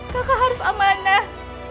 kakak harus amanah